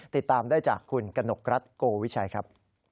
ติดตามได้จากคุณกนกรัฐโกวิชัยครับ